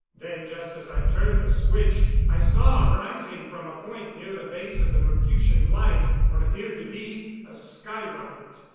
Then, just as I turned the switch, I saw, rising from a point near the base of the Mercutian Light, what appeared to be a skyrocket.